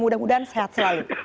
mudah mudahan sehat selalu